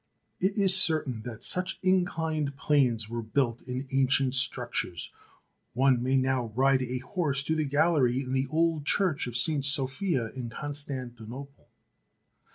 It is certain that such inclined planes were built in ancient structures ; one may now ride a horse to the gallery in the old Church of Saint Sophia in Constantinople.